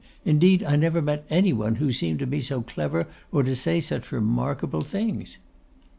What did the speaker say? Indeed, I never met any one who seemed to me so clever, or to say such remarkable things.